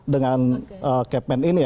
dengan kpn ini ya